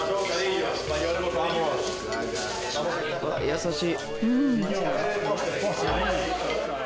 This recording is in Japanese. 優しい。